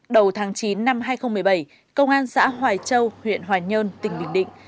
đầu tháng chín năm hai nghìn một mươi bảy công an xã hoài châu huyện hoài nhơn tỉnh bình định